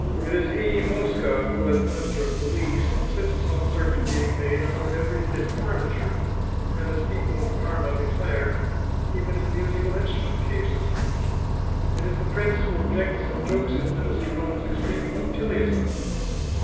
It is he, Mosca, who, as Minister of Police, insists on search being made under every bit of furniture, and, as people at Parma declare, even in musical instrument cases. It is the prince who objects, and jokes his minister on his extreme punctiliousness.